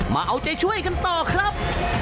มาเอาใจช่วยกันต่อครับ